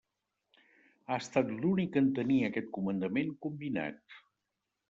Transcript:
Ha estat l'únic en tenir aquest comandament combinat.